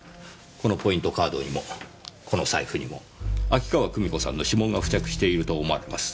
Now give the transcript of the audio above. このポイントカードにもこの財布にも秋川久美子さんの指紋が付着していると思われます。